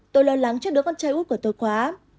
tôi lo lắng trước đứa con trai út của tôi quá